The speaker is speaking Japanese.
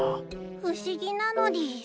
不思議なのでぃす。